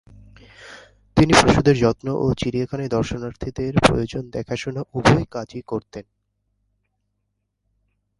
তিনি পশুদের যত্ন ও চিড়িয়াখানায় দর্শনার্থীদের প্রয়োজন দেখাশোনা উভয় কাজই করতেন।